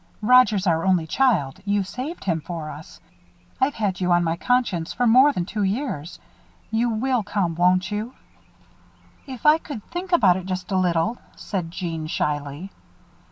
Roger's our only child; you saved him for us. I've had you on my conscience for more than two years. You will come, won't you?" "If I could think about it just a little," said Jeanne, shyly.